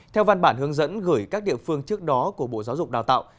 theo văn bản hướng dẫn gửi các địa phương trước đó của bộ giáo dục đào tạo